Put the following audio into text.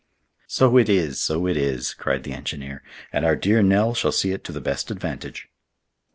"So it is, so it is!" cried the engineer, "and our dear Nell shall see it to the best advantage."